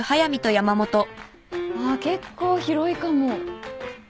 わっ結構広いかも。